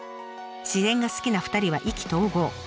自然が好きな２人は意気投合。